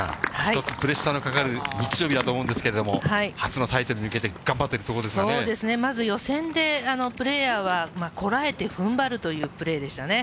一つプレッシャーのかかる日曜日だと思うんですけれども、初のタイトルに向けて頑張っているとこそうですね、まず予選でプレーヤーはこらえてふんばるというプレーでしたね。